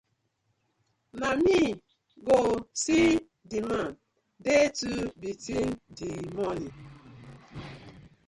Na mi go see the man dey to bting dii moni.